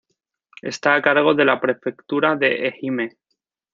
Está a cargo de la Prefectura de Ehime.